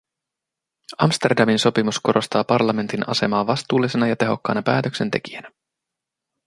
Amsterdamin sopimus korostaa parlamentin asemaa vastuullisena ja tehokkaana päätöksentekijänä.